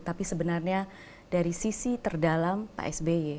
tapi sebenarnya dari sisi terdalam pak sby